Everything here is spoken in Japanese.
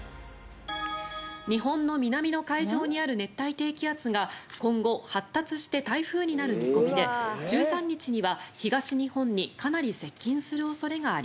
日本の南の海上にある熱帯低気圧が今後発達して台風になる見込みで１３日には東日本にかなり接近する恐れがあります。